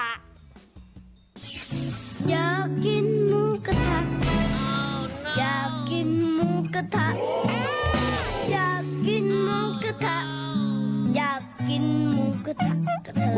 อยากกินหมูกระทะกันเถอะ